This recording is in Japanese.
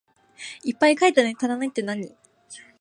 いっぱい書いたのに足らないってなに？